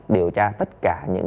điều tra tất cả những